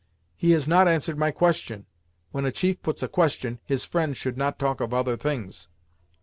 He has not answered my question; when a chief puts a question, his friend should not talk of other things."